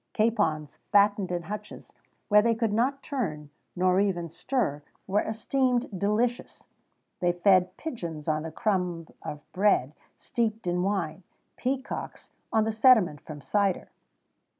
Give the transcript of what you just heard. Capons fattened in hutches, where they could not turn, nor even stir, were esteemed delicious. They fed pigeons on the crumb of bread, steeped in wine; peacocks on the sediment from cider.